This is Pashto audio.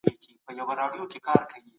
بدن کولای شي له ویروس سره مبارزه وکړي.